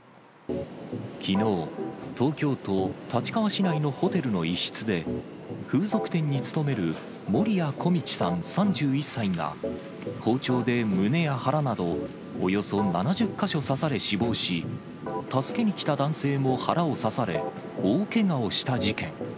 きのう、東京都立川市内のホテルの一室で、風俗店に勤める守屋径さん３１歳が、包丁で胸や腹など、およそ７０か所刺され、死亡し、助けに来た男性も腹を刺され、大けがをした事件。